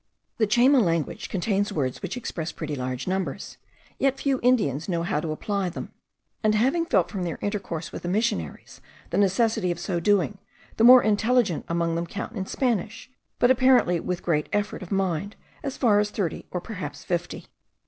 The Chayma language contains words which express pretty large numbers, yet few Indians know how to apply them; and having felt, from their intercourse with the missionaries, the necessity of so doing, the more intelligent among them count in Spanish, but apparently with great effort of mind, as far as thirty, or perhaps fifty.